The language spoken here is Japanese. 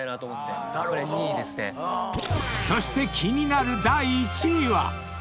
［そして気になる第１位は］